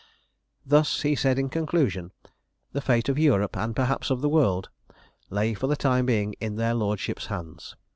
Thus, he said in conclusion, the fate of Europe, and perhaps of the world, lay for the time being in their Lordships' hands.